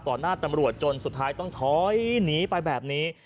หน้าตำรวจจนสุดท้ายต้องถอยหนีไปแบบนี้